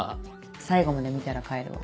最後まで見たら帰るわ。